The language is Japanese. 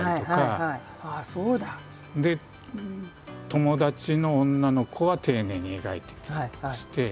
友達の女の子は丁寧に描いてたりとかして。